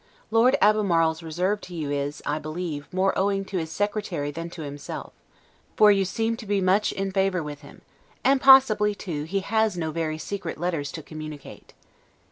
Lord Albemarle's reserve to you is, I believe, more owing to his secretary than to himself; for you seem to be much in favor with him; and possibly too HE HAS NO VERY SECRET LETTERS to communicate.